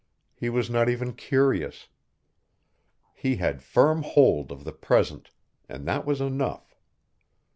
He was not even curious. He had firm hold of the present, and that was enough.